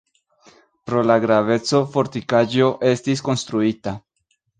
Pro la graveco fortikaĵo estis konstruita.